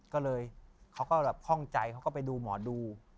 เขาก็ฟ่องใจเขาก็ไปดูหมอดู